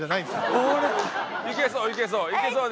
いけそういけそう。